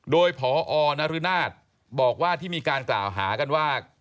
โดยพอนรุนาศบอกว่าที่มีการกล่าวหากันว่า